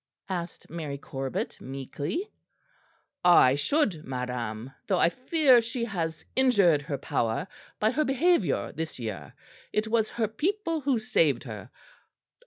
asked Mary Corbet meekly. "I should, madam; though I fear she has injured her power by her behaviour this year. It was her people who saved her.